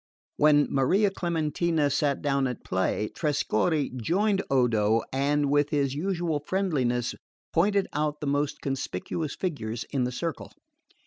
When Maria Clementina sat down at play, Trescorre joined Odo and with his usual friendliness pointed out the most conspicuous figures in the circle.